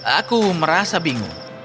aku merasa bingung